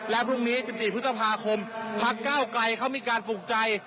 และพรุ่งนี้๑๔พฤษภาคมพักเก้าไกลเขามีการปลูกใจ